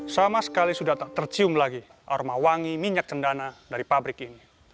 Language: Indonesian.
sama sekali sudah tak tercium lagi aroma wangi minyak cendana dari pabrik ini